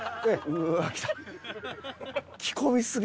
うわー来た。